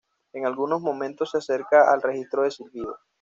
En algunos momentos se acerca al registro de silbido.